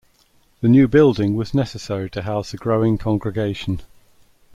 The new building was necessary to house the growing congregation.